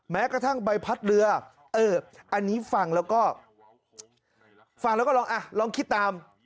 แม้กระทั่งใบพัดเรืออันนี้ฟังแล้วก็ลองคิดตาม